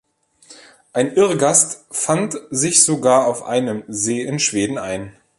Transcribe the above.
Ein Irrgast fand sich sogar auf einem See in Schweden ein.